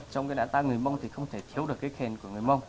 trong cái đá ta người mông thì không thể thiếu được cái khen của người mông